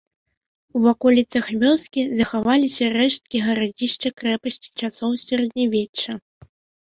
У ваколіцах вёскі захаваліся рэшткі гарадзішча-крэпасці часоў сярэднявечча.